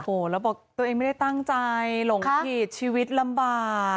โอ้โหแล้วบอกตัวเองไม่ได้ตั้งใจหลงผิดชีวิตลำบาก